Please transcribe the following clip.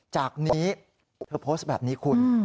จากนี้เธอโพสต์แบบนี้คุณ